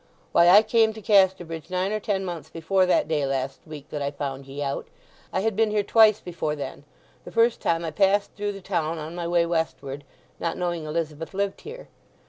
Why, I came to Casterbridge nine or ten months before that day last week that I found ye out. I had been here twice before then. The first time I passed through the town on my way westward, not knowing Elizabeth lived here.